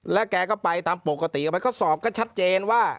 แล้วแกก็ไปตามปกติออกไปก็สอบก็ชัดเจนว่า